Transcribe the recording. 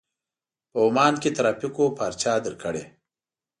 په عمان کې ترافيکو پارچه درکړې.